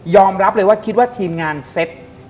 รับเลยว่าคิดว่าทีมงานเซ็ต